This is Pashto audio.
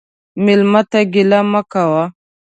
مېلمه ته ګیله مه کوه.